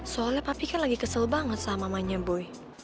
soalnya papi kan lagi kesel banget sama mamanya boy